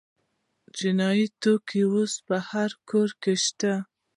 چیني توکي اوس هر کور کې شته.